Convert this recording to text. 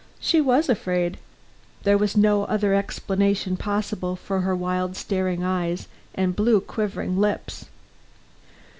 She was afraid. There was no other explanation possible for her wild staring eyes and blue quivering lips.